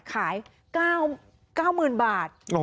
ขาย๙หมื่นบาท